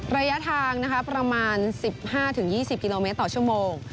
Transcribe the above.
ระยะทางประมาณ๑๕๒๐กิโลเมตรต่อชั่วโมง